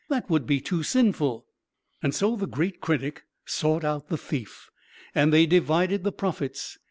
That would be too sinful." So the great critic sought out the thief. And they divided the profits.